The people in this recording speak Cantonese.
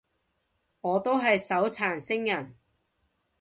我都係手殘星人